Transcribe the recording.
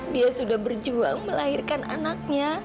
dia sudah berjuang melahirkan anaknya